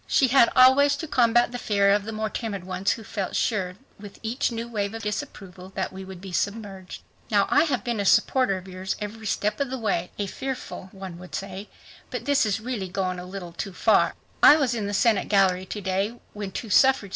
She had always to combat the fear of the more timid ones who felt sure with each new wave of disapproval that we would be submerged. "Now, I have been a supporter of yours every step of the way," a "fearful" one would say, "but this is really going a little too far. I was in the Senate gallery to day when two suffrage.